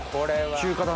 中華だな。